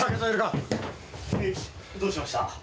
へいどうしました？